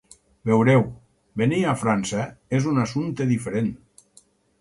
Veureu, venir a França és un assumpte diferent.